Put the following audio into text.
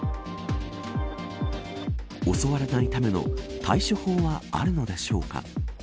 襲われないための対処法はあるのでしょうか。